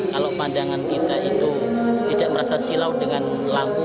kalau pandangan kita itu tidak merasa silau dengan lampu